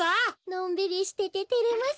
のんびりしてててれますねえ。